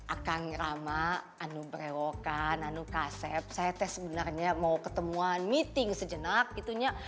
akang rama anu berewokan anu kasep saya teh sebenarnya mau ketemuan meeting sejenak gitu nya